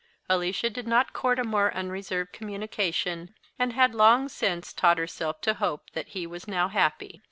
Alicia did not court a more unreserved communication, and had long since taught herself to hope that he was now happy.